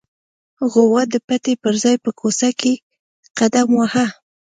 غوا د پټي پر ځای په کوڅه کې قدم واهه.